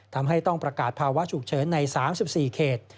ทำให้ต้องประกาศภาวะฉุกเฉินใน๓๔เขต